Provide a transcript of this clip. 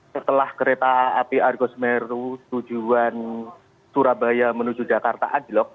setelah kereta api argo semeru tujuan surabaya menuju jakarta anjlok